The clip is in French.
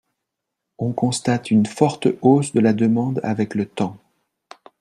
On constate une forte hausse de la demande avec le temps.